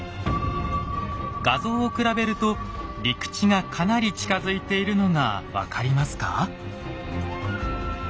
画像を比べると陸地がかなり近づいているのが分かりますか？